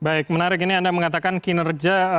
baik menarik ini anda mengatakan kinerja